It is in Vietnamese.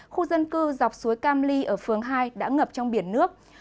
khu dân cư dọc suối cam ly ở phường hai đã ngập trong biển nước